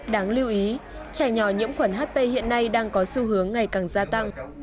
đáng lưu ý trẻ nhỏ nhiễm khuẩn ht hiện nay đang có xu hướng ngày càng gia tăng